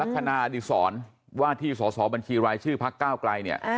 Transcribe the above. คณะอดีศรว่าที่สอสอบัญชีรายชื่อพักก้าวไกลเนี่ย